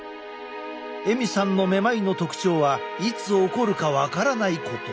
エミさんのめまいの特徴はいつ起こるか分からないこと。